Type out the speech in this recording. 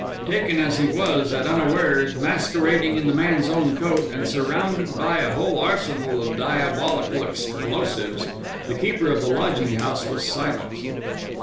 Taken as he was at unawares, masquerading in the man's own coat, and surrounded by a whole arsenal of diabolical explosives, the keeper of the lodging house was silenced.